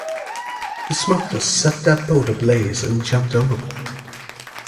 The smugglers set their boat ablaze and jumped overboard.